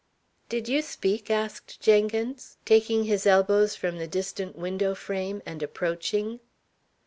"Did you speak?" asked Jenkins, taking his elbows from the distant window frame, and approaching.